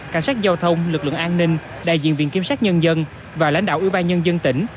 cảnh sát giao thông lực lượng an ninh đại diện viện kiểm sát nhân dân và lãnh đạo ủy ban nhân dân tỉnh